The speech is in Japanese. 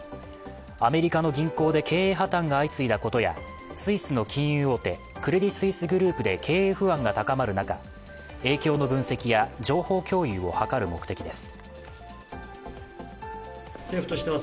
アメリカの銀行で経営破綻が相次いだことやスイスの金融大手、クレディ・スイスグループで経営不安が高まる中影響の分析や情報共有を図る目的です。